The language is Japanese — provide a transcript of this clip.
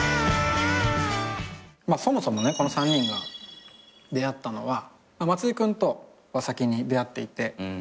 そもそもねこの３人が出会ったのは松居君とは先に出会っていて。